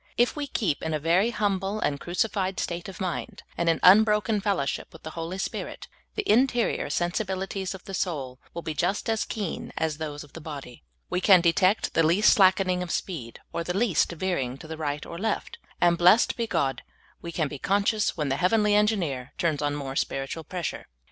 If we keep in a very humble and crucified vState of mind, and in unbroken fellowship with the Holy Spirit, the interior sensibili ties of the soul will be just as keen as those of the body. We can detect the least slackening of speed, or the least veering to the right or left ; and, blessed be God, we can be conscious when the hea^^enly Engineer turns on more spiritual pressure.